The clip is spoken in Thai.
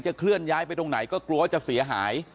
เคลื่อนย้ายไปตรงไหนก็กลัวว่าจะเสียหาย